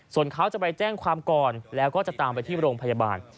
ส่วนเขาจะไปแจ้งความก่อนแล้วก็จะตามไปที่โรงพยาบาล